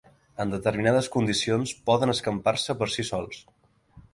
En determinades condicions poden escampar-se per si sols.